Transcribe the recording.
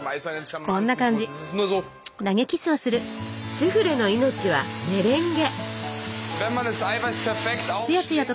スフレの命はメレンゲ！